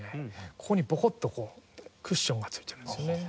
ここにボコッとこうクッションが付いているんですね。